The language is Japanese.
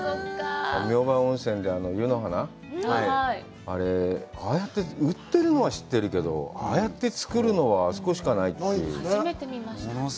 明礬温泉で湯の花、あれ、売ってるのは知ってるけど、ああやって作るのはあそこしかないって。